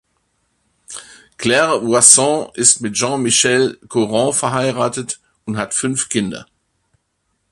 Claire Voisin ist mit Jean-Michel Coron verheiratet und hat fünf Kinder.